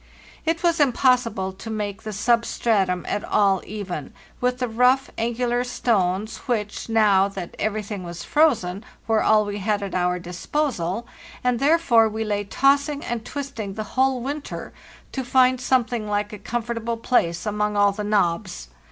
It was impossible to make the substratum at all even, with the rough, angular stones which, now that every thing was frozen, were all we had at our disposal, and therefore we lay tossing and twisting the whole winter to find something like a comfortable place among all the knobs.